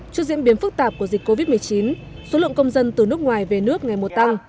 trước diễn biến phức tạp của dịch covid một mươi chín số lượng công dân từ nước ngoài về nước ngày mùa tăng